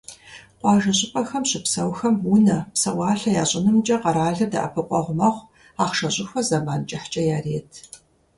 Къуажэ щӀыпӀэхэм щыпсэухэм унэ, псэуалъэ ящӀынымкӀэ къэралыр дэӀэпыкъуэгъу мэхъу: ахъшэ щӀыхуэ зэман кӀыхькӀэ ярет.